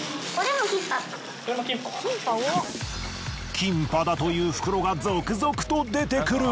キンパだという袋が続々と出てくる。